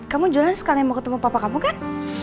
kamu jualan sekali mau ketemu papa kamu kan